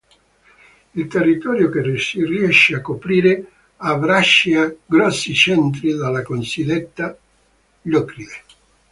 Il territorio che si riesce a coprire abbraccia grossi centri della cosiddetta “Locride”.